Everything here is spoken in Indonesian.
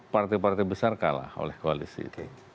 partai partai besar kalah oleh koalisi itu